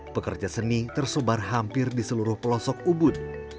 pekerja seni tersebar hampir di seluruh pelosok ubud